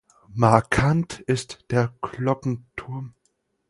Markant ist der Glockenturm.